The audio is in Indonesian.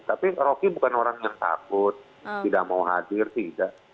tapi rocky bukan orang yang takut tidak mau hadir tidak